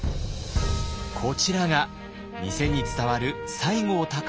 こちらが店に伝わる西郷隆盛の書。